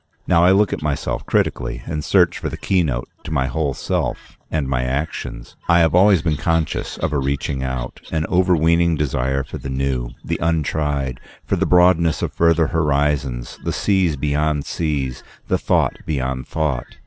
Now I look at myself critically and search for the keynote to my whole self, and my actions, I have always been conscious of a reaching out, an overweening desire for the new, the untried, for the broadness of further horizons, the seas beyond seas, the thought beyond thought.